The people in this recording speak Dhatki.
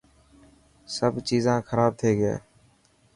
سڀ چيزان خراب ٿي گئي.